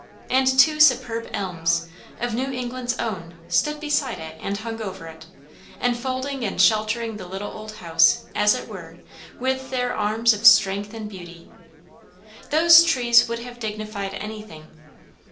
And two superb elms, of New England's own, stood beside it and hung over it, enfolding and sheltering the little old house, as it were, with their arms of strength and beauty. Those trees would have dignified anything.